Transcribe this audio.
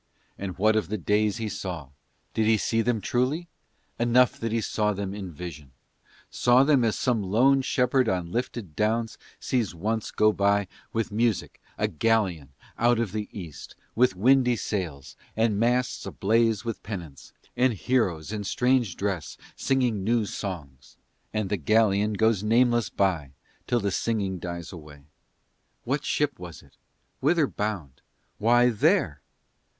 And what of the days he saw? Did he see them truly? Enough that he saw them in vision. Saw them as some lone shepherd on lifted downs sees once go by with music a galleon out of the East, with windy sails, and masts ablaze with pennants, and heroes in strange dress singing new songs; and the galleon goes nameless by till the singing dies away. What ship was it? Whither bound? Why there?